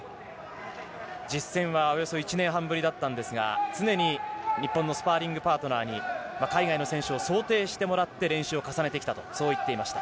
実戦はおよそ１年半ぶりだったんですが、常に日本のスパーリングパートナーに、海外の選手を想定してもらって練習を重ねてきたと、そう言っていました。